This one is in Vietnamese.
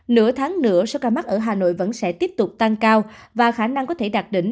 nửa tháng nữa số ca mắc ở hà nội vẫn sẽ tiếp tục tăng cao và khả năng có thể đạt đỉnh